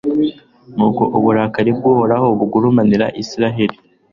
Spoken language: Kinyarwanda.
nuko uburakari bw'uhoraho bugurumanira israheli